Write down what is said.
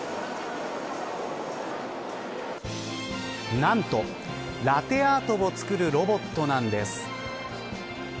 何とラテアートを作るロボットなんです。